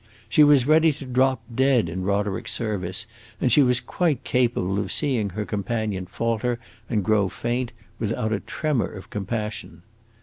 She was ready to drop dead in Roderick's service, and she was quite capable of seeing her companion falter and grow faint, without a tremor of compassion.